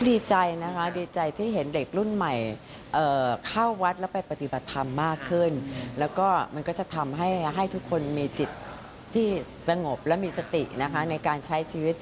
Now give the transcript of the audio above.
ดีใจนะคะดีใจที่เห็นเด็กรุ่นใหม่เข้าวัดแล้วไปปฏิบัติธรรมมากขึ้นแล้วก็มันก็จะทำให้ทุกคนมีจิตที่สงบและมีสตินะคะในการใช้ชีวิต